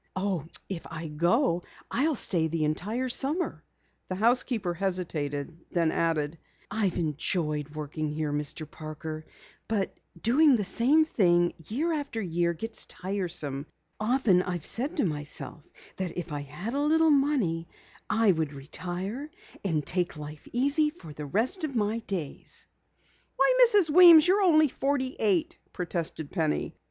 "Oh, if I go, I'll stay the entire summer." The housekeeper hesitated, then added: "I've enjoyed working here, Mr. Parker, but doing the same thing year after year gets tiresome. Often I've said to myself that if I had a little money I would retire and take life easy for the rest of my days." "Why, Mrs. Weems, you're only forty eight!" protested Penny.